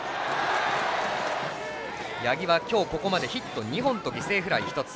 八木は今日ここまでヒット２本と犠牲フライ１つ。